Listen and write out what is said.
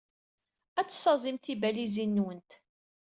Ad tessaẓyemt tibalizin-nwent.